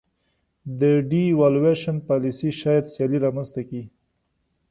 د devaluation پالیسي شاید سیالي رامنځته کړي.